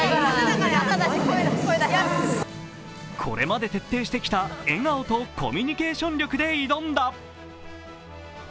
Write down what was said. これまで徹底してきた笑顔とコミュニケーション力で挑んだ。